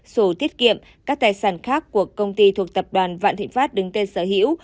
sổ tiết kiệm các tài sản khác của công ty thuộc tập đoàn vạn thịnh pháp đứng tên sở hữu